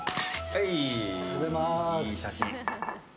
いい写真！